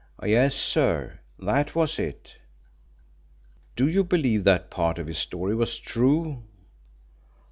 "Yes, sir, that was it." "Do you believe that part of his story was true?"